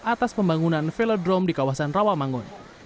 atas pembangunan velodrome di kawasan rawamangun